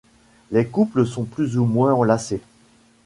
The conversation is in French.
Les couples sont plus ou moins enlacés.